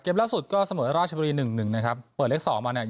ล่าสุดก็เสมอราชบุรีหนึ่งหนึ่งนะครับเปิดเลขสองมาเนี่ย